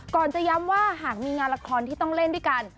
ก่อนจะย้ำว่าหากมีงานละครที่ต้องเล่นด้วยกัน